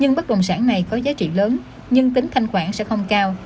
nhưng bất đồng sản này có giá trị lớn nhưng tính thanh khoản sẽ không cao